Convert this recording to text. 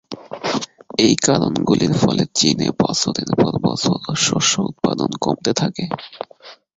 এই কারণগুলির ফলে, চীনে বছরের পর বছর শস্য উৎপাদন কমতে থাকে।